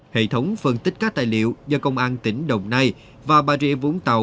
hệ thống phân tích các tài liệu do công an tỉnh đồng nai và bà rịa vũng tàu